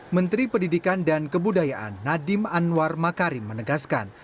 menteri pendidikan dan kebudayaan nadiem anwar makarim menegaskan